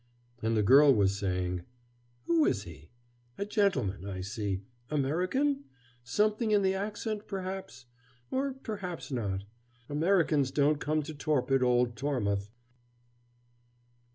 And the girl was saying: "Who is he? A gentleman, I see. American? Something in the accent, perhaps. Or perhaps not. Americans don't come to torpid old Tormouth."